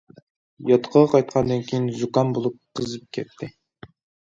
ياتىقىغا قايتقاندىن كېيىن، زۇكام بولۇپ قىزىپ كەتتى.